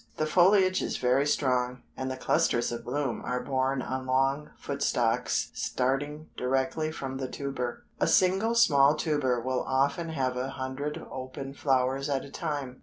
The foliage is very strong, and the clusters of bloom are borne on long foot stalks starting directly from the tuber. A single small tuber will often have a hundred open flowers at a time.